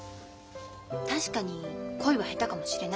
確かに恋は下手かもしれない。